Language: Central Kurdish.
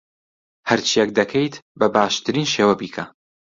هەرچییەک دەکەیت، بە باشترین شێوە بیکە.